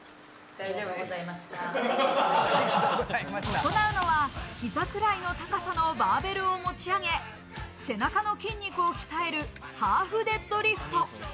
行うのは膝くらいの高さのバーベルを持ち上げ、背中の筋肉を鍛える、ハーフデッドリフト。